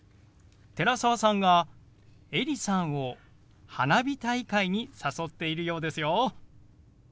寺澤さんがエリさんを花火大会に誘っているようですよ。